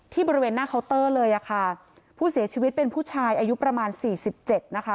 ที่บริเวณหน้าเคาน์เตอร์เลยค่ะผู้เสียชีวิตเป็นผู้ชายอายุประมาณ๔๗นะคะ